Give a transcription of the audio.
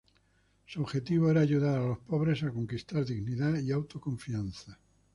Su objetivo era ayudar a los pobres a conquistar dignidad y autoconfianza.